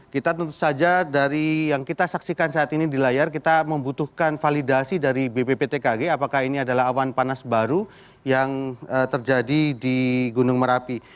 kita tentu saja dari yang kita saksikan saat ini di layar kita membutuhkan validasi dari bpptkg apakah ini adalah awan panas baru yang terjadi di gunung merapi